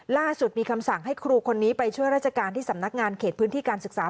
ล่าสุดมีคำสั่งให้ครูคนนี้ไปช่วยราชการที่สำนักงานเขตพื้นที่การศึกษา